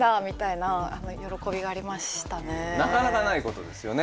なかなかないことですよね